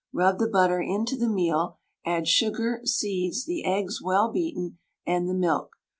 Rub the butter into the meal, add sugar, seeds, the eggs well beaten, and the milk.